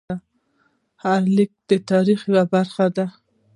هر لیک د تاریخ یوه برخه وه.